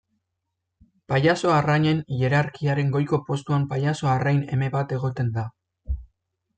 Pailazo-arrainen hierarkiaren goiko postuan pailazo-arrain eme bat egoten da.